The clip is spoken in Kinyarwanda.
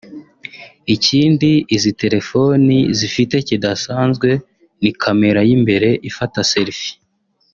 Ikindi izi telefoni zifite kidasanzwe ni camera y’imbere ifata selfie